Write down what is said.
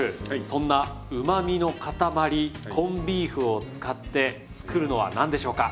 そんなうまみのかたまりコンビーフを使って作るのは何でしょうか？